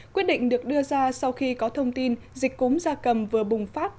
quyết định được đưa ra sau khi có thông tin dịch cúm da cầm vừa bùng phát